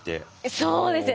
そうですね。